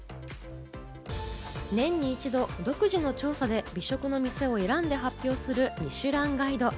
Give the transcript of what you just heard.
年に一度、独自の調査で美食のお店を発表する『ミシュランガイド』。